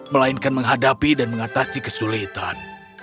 melainkan menghadapi dan mengatasi kesulitan